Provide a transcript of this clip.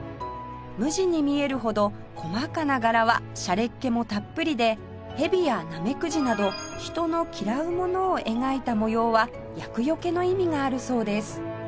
無地に見えるほど細かな柄はしゃれっ気もたっぷりでヘビやナメクジなど人の嫌うものを描いた模様は厄よけの意味があるそうです